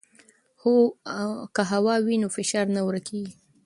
که هوا وي نو فشار نه ورکېږي.